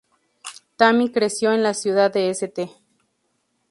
Tammy creció en la ciudad de St.